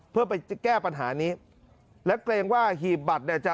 เพื่อไปแก้ปัญหานี้และเกรงว่าหีบบัตรเนี่ยจะ